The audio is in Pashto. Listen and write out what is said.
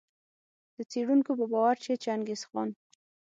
د څېړونکو په باور چي چنګیز خان